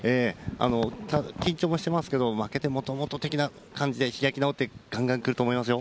緊張もしてますけど、負けてもともと的な感じで開き直ってがんがんくると思いますよ。